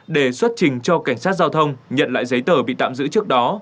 để xuất trình cho cảnh sát giao thông nhận lại giấy tờ bị tạm giữ trước đó